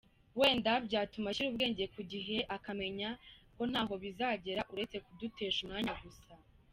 Wenda byatuma ashyira ubwenge ku gihe akamenya ko ntaho bizagera uretse kudutesha umwanya gusa.